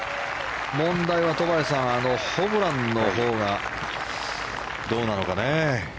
問題は戸張さんホブランのほうがどうなのかね。